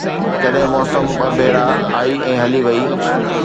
جڏهن موسم ٻه ڀيرا آئي ۽ هلي وئي